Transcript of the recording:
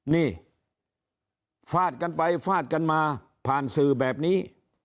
นี่ฟาดกันไปฟาดกันมาผ่านสื่อแบบนี้